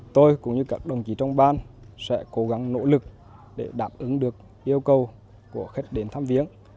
tôi cũng như các đồng chí trong ban sẽ cố gắng nỗ lực để đáp ứng được yêu cầu của khách đến thăm viếng